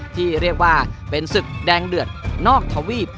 ที่เรียกว่าเป็นศึกแดงเดือดนอกทวีป